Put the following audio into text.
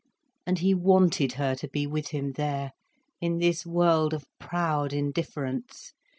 And he wanted her to be with him there, in this world of proud indifference.